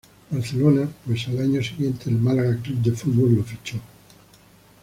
Barcelona, pues el año siguiente el Málaga Club de Fútbol lo fichó.